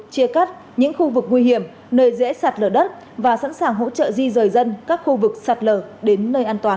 chia cắt những khu vực nguy hiểm nơi dễ sạt lở đất và sẵn sàng hỗ trợ di rời dân các khu vực sạt lở đến nơi an toàn